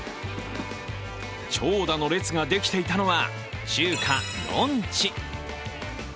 長蛇の列ができていたのは、中華のんち。